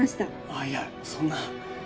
あっいやそんな。